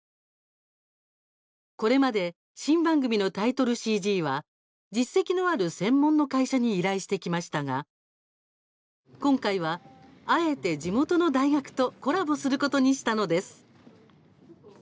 これまで新番組のタイトルＣＧは実績のある専門の会社に依頼してきましたが今回は、あえて地元の大学とコラボをすることにしたのです。